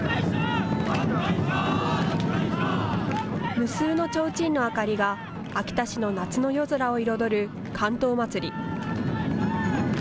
無数のちょうちんの明かりが、秋田市の夏の夜空を彩る竿燈まつり。